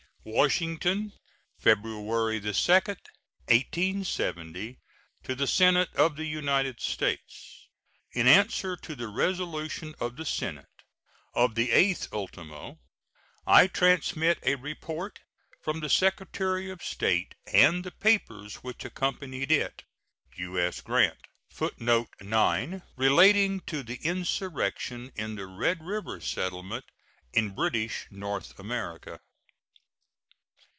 WASHINGTON, February 2, 1870. To the Senate of the United States: In answer to the resolution of the Senate of the 8th ultimo, I transmit a report from the Secretary of State and the papers which accompanied it. U.S. GRANT. [Footnote 9: Relating to the insurrection in the Red River settlement, in British North America.